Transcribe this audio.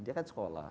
dia kan sekolah